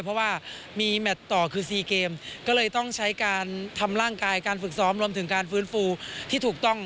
เพราะว่ามีแมทต่อคือ๔เกมก็เลยต้องใช้การทำร่างกายการฝึกซ้อมรวมถึงการฟื้นฟูที่ถูกต้อง